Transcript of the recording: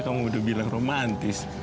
kamu udah bilang romantis